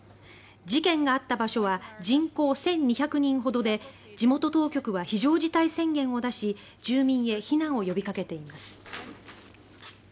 事件があった場所は人口１２００人ほどで地元当局は非常事態宣言を出し住民へ避難を呼びかけています。